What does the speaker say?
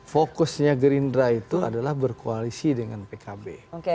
fokusnya gerindra itu adalah berkoalisi dengan pkb